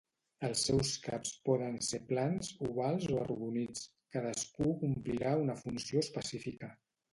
Els seus caps poden ser plans, ovals o arrodonits; cadascú complirà una funció específica.